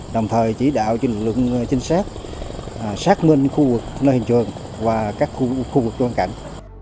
đồng thời chỉ đạo cho lực lượng trinh sát xác minh khu vực nơi hình trường và các khu vực quan cảnh